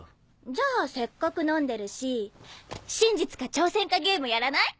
じゃあせっかく飲んでるし真実か挑戦かゲームやらない？